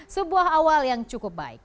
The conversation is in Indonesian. sebuah awal yang cukup baik